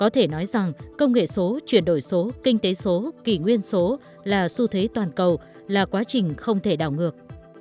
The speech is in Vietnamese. tuy nhiên trong tương lai công nghệ số chuyển đổi số kinh tế số kỷ nguyên số là xu thế toàn cầu là quá trình không thể đảo ngược